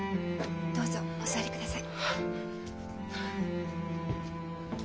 どうぞお座りください。